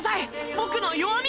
僕の弱み！